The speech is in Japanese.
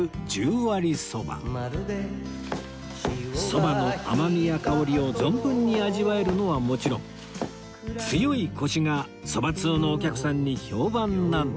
そばの甘みや香りを存分に味わえるのはもちろん強いコシがそば通のお客さんに評判なんだとか